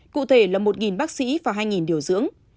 cụ thể là một bác sĩ và hai điều dưỡng